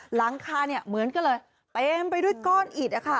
หลังคาเหมือนกันเลยเต็มไปด้วยก้อนอิดค่ะ